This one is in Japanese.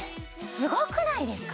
すごくないですか？